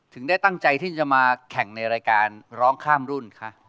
ได้ตั้งใจที่จะมาแข่งในรายการร้องข้ามรุ่นคะ